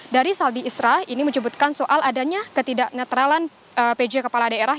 dari saldi israel ini menyebutkan soal adanya ketidakneutralan pj kepala daerah